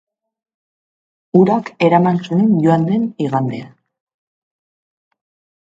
Urak eraman zuen joan den igandean.